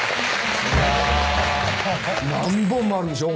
何本もあるんでしょ？